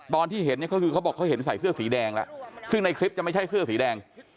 ตอนที่เห็นเนี่ยก็คือเขาบอกเขาเห็นใส่เสื้อสีแดงแล้วซึ่งในคลิปจะไม่ใช่เสื้อสีแดง